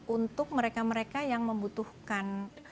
untuk mereka mereka yang membutuhkan